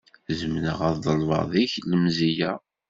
Zemreɣ ad ḍelbeɣ deg-k lemzeyya?